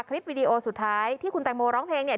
คลิปวิดีโอสุดท้ายที่คุณแตงโมร้องเพลงเนี่ย